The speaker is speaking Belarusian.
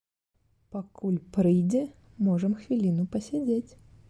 Пакуль прыйдзе, можам хвіліну пасядзець.